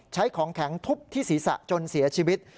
ของแข็งทุบที่ศีรษะจนเสียชีวิต